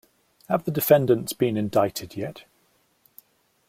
Have the defendants been indicted yet?